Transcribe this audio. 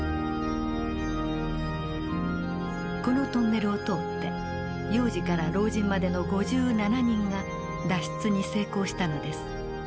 このトンネルを通って幼児から老人までの５７人が脱出に成功したのです。